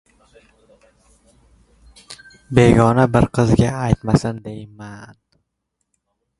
Begona bir qizga aytmasin, deyman.